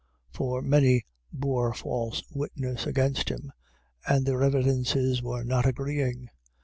14:56. For many bore false witness against him: and their evidences were not agreeing.